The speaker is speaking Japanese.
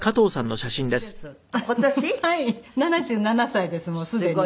７７歳ですもうすでに。